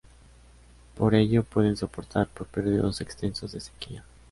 Por ello pueden soportar por periodos extensos de sequía.